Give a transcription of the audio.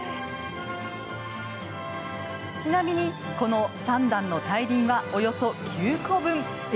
ちなみに、この３段の大輪はおよそ９個分。